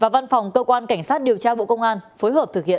văn phòng cơ quan cảnh sát điều tra bộ công an phối hợp thực hiện